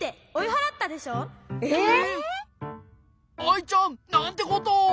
アイちゃんなんてことを！